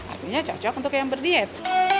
artinya cocok untuk yang berdiet